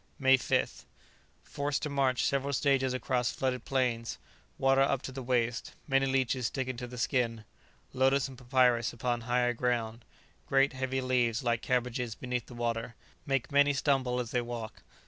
May 5th. Forced to march several stages across flooded plains, water up to the waist; many leeches sticking to the skin. Lotus and papyrus upon higher ground. Great heavy leaves, like cabbages, beneath the water, make many stumble as they walk.